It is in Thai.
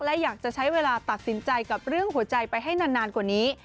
และอยากจะใช้เวลาตัดสินใจกับเรื่องหัวใจไปให้นานกว่านี้